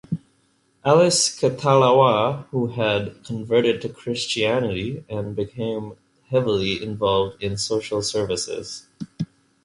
Alice Kotelawala who had converted to Christianity and became heavily involved in social service.